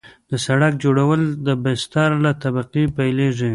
د سرک جوړول د بستر له طبقې پیلیږي